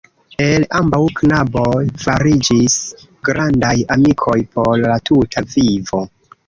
El ambaŭ knaboj fariĝis grandaj amikoj por la tuta vivo.